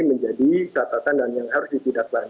ini menjadi catatan dan yang harus dipindahkan